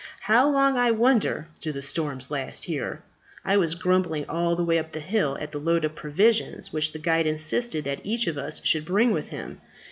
How long, I wonder, do the storms last here? I was grumbling all the way up the hill at the load of provisions which the guide insisted that each of us should bring with him.